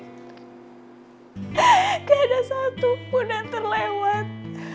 gak ada satu pun yang terlewat